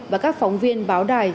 và các phóng viên báo đài